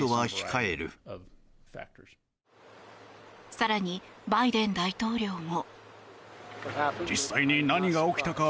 更に、バイデン大統領も。